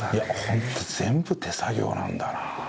ホント全部手作業なんだな。